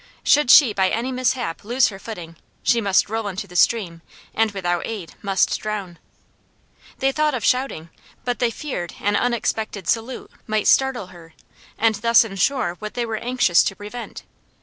Should she by any mishap lose her footing, she must roll into the stream, and, without aid, must drown. They thought of shouting; but they feared an unexpected salute might startle her, and thus ensure what they were anxious to prevent.